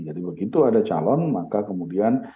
jadi begitu ada calon maka kemudian